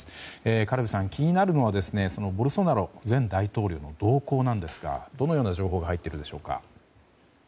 軽部さん、気になるのはボルソナロ前大統領の動向ですがどのような情報が入っているんでしょうか。